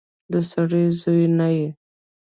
د سړي زوی نه يې.